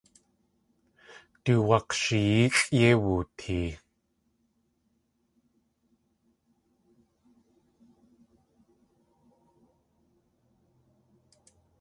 Du wak̲shiyeexʼ yéi wootee.